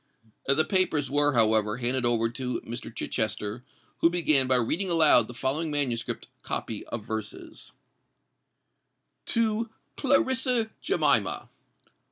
The papers were, however, handed over to Mr. Chichester, who began by reading aloud the following manuscript copy of verses:— TO CLARISSA JEMIMA.